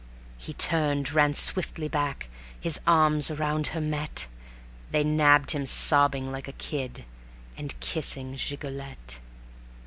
He turned, ran swiftly back, his arms around her met; They nabbed him sobbing like a kid, and kissing Gigolette.